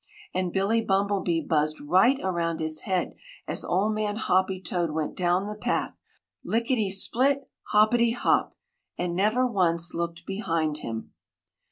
And Billy Bumblebee buzzed right around his head as Old Man Hoppy toad went down the path "Lickity split Hoppity hop!" and never once looked behind him.